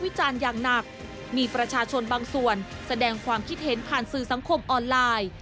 จารณ์อย่างหนักมีประชาชนบางส่วนแสดงความคิดเห็นผ่านสื่อสังคมออนไลน์